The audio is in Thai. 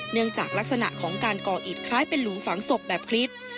เนื่องจากลักษณะของการก่ออิดคล้ายเป็นหลุมฝังศพแบบคลิด